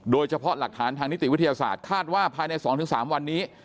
โดยเฉพาะหลักฐานทางนิติวิทยาศาสตร์คาดว่าภายใน๒๓วันนี้